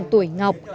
ở tuổi trăm tuổi